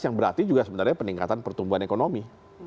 yang berarti juga sebenarnya peningkatan pertumbuhan ekonomi